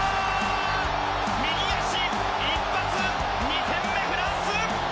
右足一発、２点目フランス！